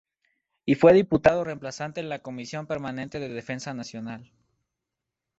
Y fue diputado reemplazante en la Comisión Permanente de Defensa Nacional.